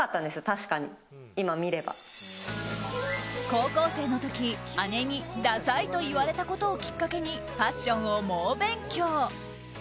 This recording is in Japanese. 高校生の時、姉にダサいと言われたことをきっかけにファッションを猛勉強。